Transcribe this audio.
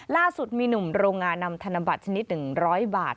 ล่าสุดมีหนุ่มโรงงานนำธนบัตรชนิด๑๐๐บาท